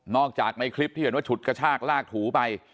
จากในคลิปที่เห็นว่าฉุดกระชากลากถูไป